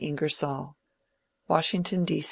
Ingersoll. Washington, D.